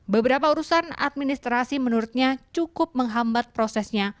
beberapa urusan administrasi menurutnya cukup menghambat prosesnya